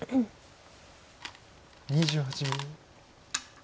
２８秒。